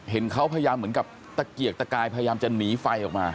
เห็นเขาพยายามเหมือนกับตะเกียกตะกายพยายามจะหนีไฟออกมา